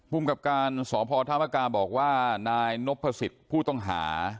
ภูมิกับการสพธามกาบอกว่านายนพสิทธิ์ผู้ต้องหา